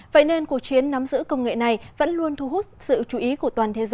vậy nên cuộc chiến nắm giữ công nghệ này vẫn luôn thu hút sự chú ý của toàn thế giới